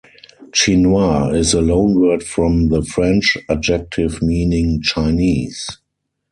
"Chinois" is a loanword from the French adjective meaning Chinese.